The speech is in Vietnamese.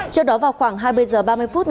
trước đó vào khoảng hai mươi h ba mươi phút